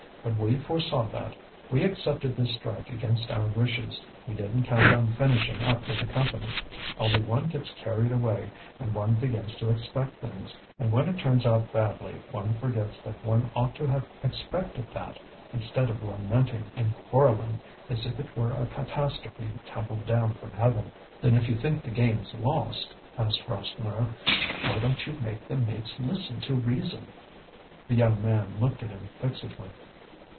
"But we foresaw that. We accepted this strike against our wishes, we didn't count on finishing up with the Company. Only one gets carried away, one begins to expect things, and when it turns out badly one forgets that one ought to have expected that, instead of lamenting and quarrelling as if it were a catastrophe tumbled down from heaven." "Then if you think the game's lost," asked Rasseneur, "why don't you make the mates listen to reason?" The young man looked at him fixedly.